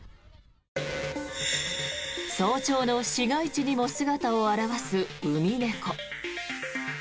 早朝の市街地にも姿を現すウミネコ。